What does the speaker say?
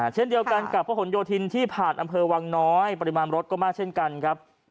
เช่นเดียวกันกับพระหลโยธินที่ผ่านอำเภอวังน้อยปริมาณรถก็มากเช่นกันครับ